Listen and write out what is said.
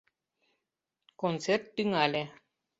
Концерт тӱҥале.